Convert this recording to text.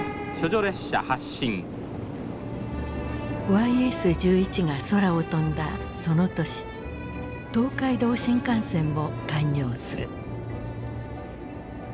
ＹＳ−１１が空を飛んだその年東海道新幹線も開業する。